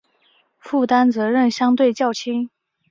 负担责任相对较轻